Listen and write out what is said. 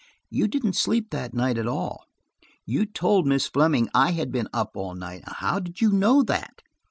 You didn't sleep that night, at all; you told Miss Fleming I had been up all night. How did you know that?